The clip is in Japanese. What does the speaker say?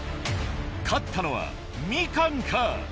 勝ったのはみかんか？